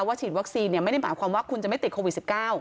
ฉีดวัคซีนไม่ได้หมายความว่าคุณจะไม่ติดโควิด๑๙